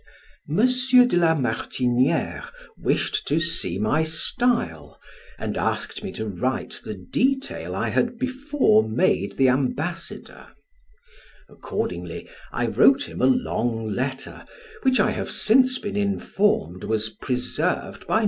M. de la Martiniere wished to see my style, and asked me to write the detail I had before made the ambassador; accordingly I wrote him a long letter, which I have since been informed was preserved by M.